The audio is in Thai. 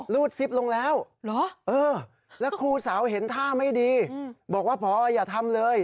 รูดซิบลงแล้วแล้วครูสาวเห็นท่าไม่ดีบอกว่าพออย่าทำเลย